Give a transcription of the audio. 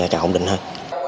càng ổn định hơn